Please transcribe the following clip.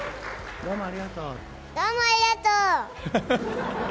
どうもありがとう。